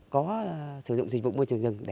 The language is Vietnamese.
có sử dụng dịch vụ môi trường rừng